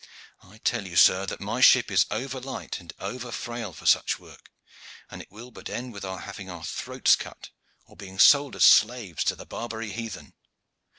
I tell you, sir, that my ship is over light and over frail for such work, and it will but end in our having our throats cut, or being sold as slaves to the Barbary heathen."